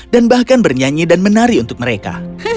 dan bahkan bernyanyi dan menari untuk mereka